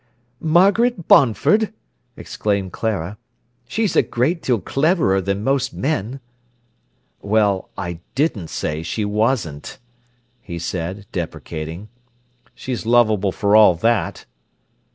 "Margaret Bonford!" exclaimed Clara. "She's a great deal cleverer than most men." "Well, I didn't say she wasn't," he said, deprecating. "She's lovable for all that."